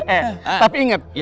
eh tapi inget